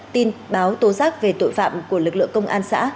tiếp nhận tin báo tố giác về tội phạm của lực lượng công an xã